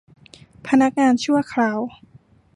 พนักงานชั่วคราว